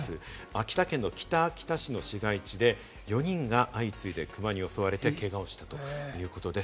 秋田県の北秋田市の市街地で４人が相次いでクマに襲われて、けがをしたということです。